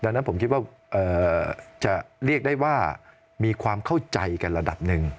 ดังนั้นผมคิดว่าจะเรียกได้ว่ามีความเข้าใจกันระดับหนึ่ง